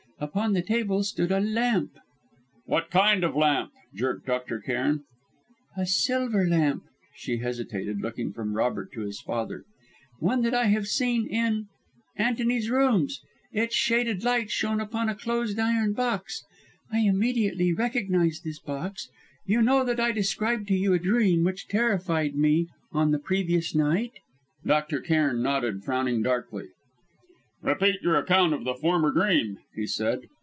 Upon the table, stood a lamp " "What kind of lamp?" jerked Dr. Cairn. "A silver lamp" she hesitated, looking from Robert to his father "one that I have seen in Antony's rooms. Its shaded light shone upon a closed iron box. I immediately recognised this box. You know that I described to you a dream which terrified me on the previous night?" Dr. Cairn nodded, frowning darkly. "Repeat your account of the former dream," he said.